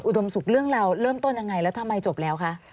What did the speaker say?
อุดมศุกร์เรื่องราวเริ่มต้นยังไงแล้วทำไมจบแล้วคะ